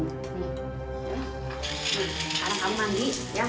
nih sekarang kamu mandi ya